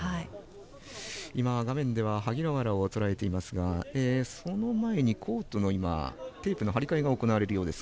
画面では萩原をとらえていましたがその前に、コートのテープの張り替えが行われるようです。